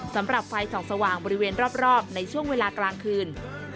สำหรับไฟส่องสว่างบริเวณรอบในช่วงเวลากลางคืน